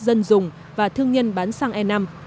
dân dùng và thương nhân bán xăng e năm